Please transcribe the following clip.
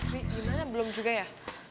gimana belum juga ya